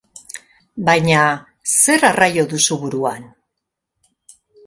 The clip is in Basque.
Baina zer arraio duzu buruan?